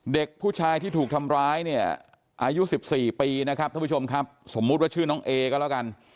เด็กผู้ชายที่ถูกทำร้ายเนี่ยอายุ๑๔ปีนะครับท่านผู้ชมครับสมมุติว่าชื่อน้องเอก็แล้วกัน